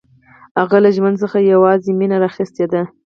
هغه له ژوند څخه یوازې مینه راخیستې ده